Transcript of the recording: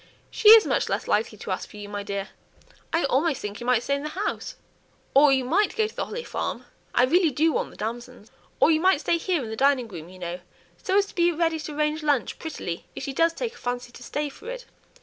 "She is much less likely to ask for you, my dear: I almost think you might remain in the house, or you might go to the Holly Farm; I really do want the damsons; or you might stay here in the dining room, you know, so as to be ready to arrange lunch prettily, if she does take a fancy to stay for it.